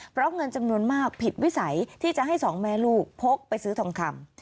เพราะเงินจำนวนมากผิดวิสัยที่จะให้สองแม่ลูกพกไปซื้อทองคำ